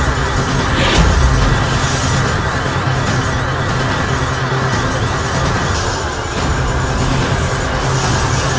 untuk membuat kerusakan di muka bumi